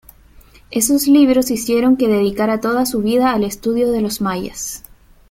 Esos libros hicieron que dedicara toda su vida al estudio de los mayas.